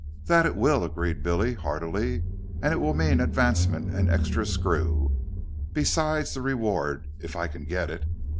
"That it will," agreed Billy, heartily, "and it will mean advancement and extra screw: besides the reward if I can get it.